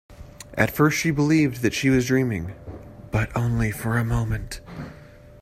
At first she believed that she was dreaming, but only for a moment.